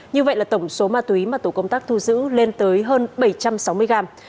như vậy là tổng số ma túy mà tổ công tác thu giữ lên tới hơn bảy trăm sáu mươi gram